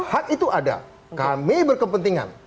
hak itu ada kami berkepentingan